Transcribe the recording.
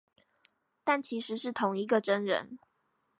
但其實是同一個真人